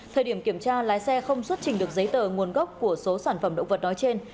thời điểm kiểm tra lái xe không xuất trình được giấy tờ nguồn gốc của số sản phẩm động vật nói trên